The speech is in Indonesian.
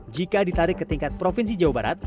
jika ditarik ke tingkat provinsi jawa barat